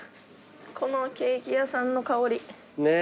このケーキ屋さんの香り。ねぇ。